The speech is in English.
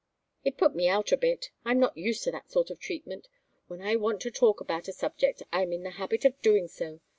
It put me out a bit. I'm not used to that sort of treatment. When I want to talk about a subject, I am in the habit of doing so.